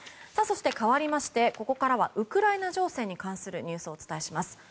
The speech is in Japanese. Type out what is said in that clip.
そして代わりましてここからはウクライナ情勢に関するニュースをお伝えします。